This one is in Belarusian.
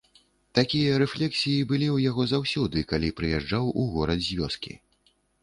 Такія рэфлексіі былі ў яго заўсёды, калі прыязджаў у горад з вёскі.